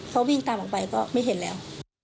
เขาวิ่งตามออกไปก็ไม่เห็นแล้ว